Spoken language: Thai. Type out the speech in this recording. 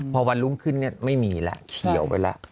พอวันรุ่งขึ้นไม่มีแล้วเขียวไปแล้ว